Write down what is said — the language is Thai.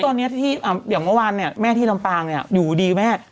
ตอนนี้ที่ที่เดี๋ยวเมื่อวันเนี่ยแม่ที่ลำปากอยู่ดีแม่